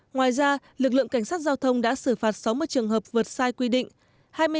ngoài ra lực lượng cảnh sát giao thông đã xử phạt sáu mươi trường hợp vượt sai quy định